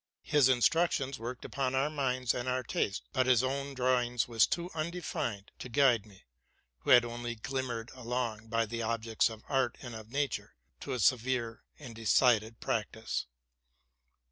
His instructions worked upon our mind and owu> taste; but his own drawing was too undefined to guide me RELATING TO MY LIFE. 259 who had only glimmered along by the objects of art and of nature, to a severe and decided practice.